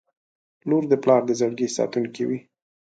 • لور د پلار د زړګي ساتونکې وي.